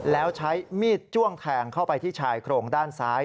แล้วใช้มีดจ้วงแทงเข้าไปที่ชายโครงด้านซ้าย